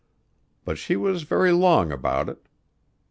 But she was very long about it.